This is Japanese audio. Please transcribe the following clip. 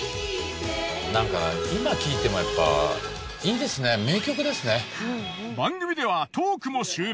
なんか今聴いてもやっぱいいですね名曲ですね。